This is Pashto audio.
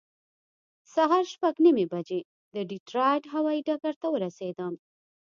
سهار شپږ نیمې بجې د ډیټرایټ هوایي ډګر ته ورسېدم.